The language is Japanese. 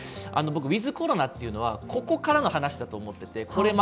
僕、ウィズ・コロナというのはここからの話だと思っていて。